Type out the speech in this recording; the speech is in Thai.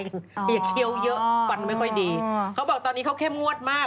อย่าเคี้ยวเยอะฟันไม่ค่อยดีเขาบอกตอนนี้เขาเข้มงวดมาก